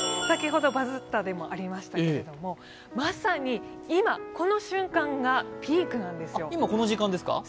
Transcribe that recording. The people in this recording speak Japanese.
先ほどバズったでもありましたけれども、まさに今、この瞬間がピークなんですよ。